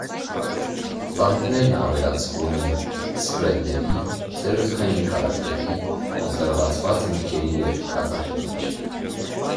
Ծաղիկներն ավելացվում են սպրեդների, սերուցքային կարագների, կոնսերվացված մրգերի և քացախի մեջ։